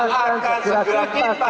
kita akan segera memutuskan